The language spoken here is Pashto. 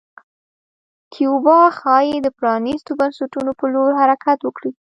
کیوبا ښايي د پرانیستو بنسټونو په لور حرکت وکړي.